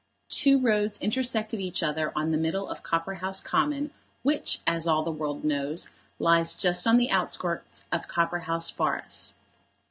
Two roads intersected each other on the middle of Copperhouse Common, which, as all the world knows, lies just on the outskirts of Copperhouse Forest.